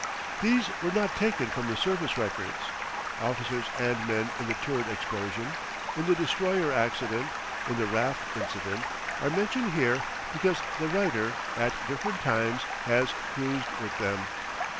These were not taken from the service records. Officers and men in the turret explosion, in the destroyer accident, in the raft incident, are mentioned here because the writer, at different times, has cruised with them.